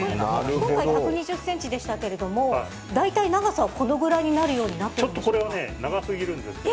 今回１２０ｃｍでしたが大体、長さはこのくらいになるようになっているんですか？